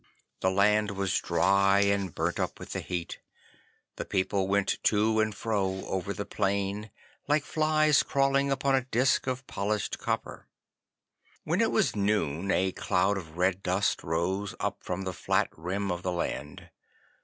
The land was dry and burnt up with the heat. The people went to and fro over the plain like flies crawling upon a disk of polished copper. 'When it was noon a cloud of red dust rose up from the flat rim of the land.